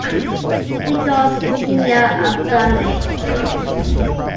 Nichols, Junior and family.